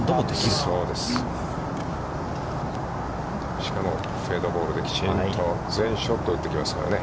しかも、フェードボールで、きちんと、全ショット、打ってきますからね。